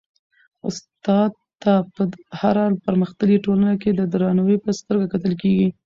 استاد ته په هره پرمختللي ټولنه کي د درناوي په سترګه کتل کيږي.